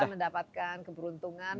bisa mendapatkan keberuntungan